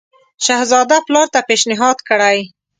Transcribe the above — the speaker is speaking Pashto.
شهزاده پلار ته پېشنهاد کړی.